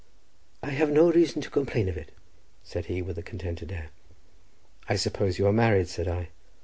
"I have no reason to complain of it," said he, with a contented air. "I suppose you are married?" said I.